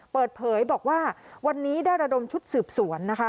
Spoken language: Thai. เปิดเผยบอกว่าวันนี้ได้ระดมชุดสืบสวนนะคะ